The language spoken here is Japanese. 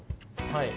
はい。